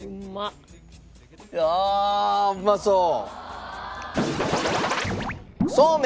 ああうまそう。